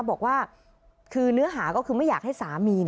บอกว่าคือเนื้อหาก็คือไม่อยากให้สามี